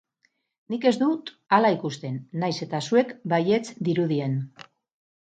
Nik ez dut hala ikusten, nahiz eta zuek baietz dirudien.